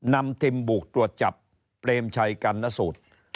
นำทิมบุกตัวจับเปรมชัยกันนะสุด